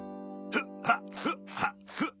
フッハッフッハッフッ！